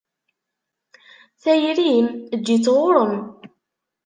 Tayri-m? Eǧǧ-itt ɣur-m.